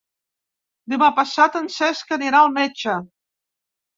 Demà passat en Cesc anirà al metge.